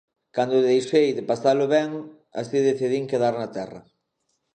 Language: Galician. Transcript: Cando deixei de pasalo ben así decidín quedar na terra.